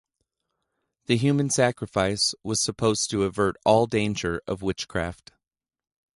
The human sacrifice was supposed to avert all danger of witchcraft.